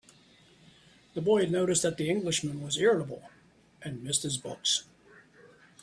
The boy had noticed that the Englishman was irritable, and missed his books.